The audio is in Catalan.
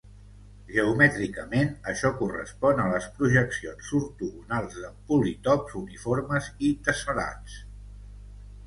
Geomètricament això correspon a les projeccions ortogonals de polítops uniformes i tessel·lats.